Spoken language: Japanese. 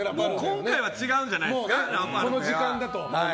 今回は違うんじゃないですか。